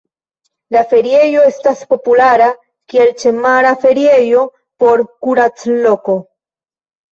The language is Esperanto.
La feriejo estas populara kiel ĉemara feriejo por kuracloko.